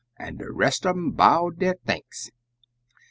An' de rest un um bowed dere thanks.